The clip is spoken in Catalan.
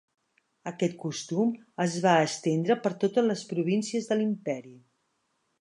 Aquest costum es va estendre per totes les províncies de l'Imperi.